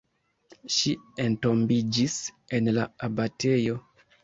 Ŝi entombiĝis en la abatejo.